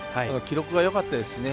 記録がよかったですしね。